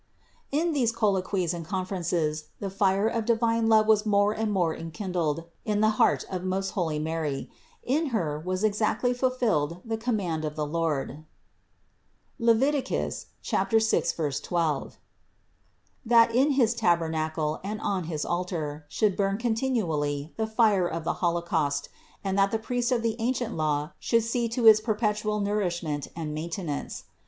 246. In these colloquies and conferences the fire of di vine love was more and more enkindled in the heart of most holy Mary; in Her was exactly fulfilled the com mand of the Lord (Levit. 6, 12), that in his tabernacle and on his altar should burn continually the fire of the holocaust and that the priest of the ancient law should see to its perpetual nourishment and maintenance.